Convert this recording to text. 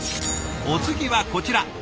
お次はこちら。